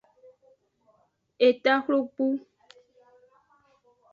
Eta xlogbu.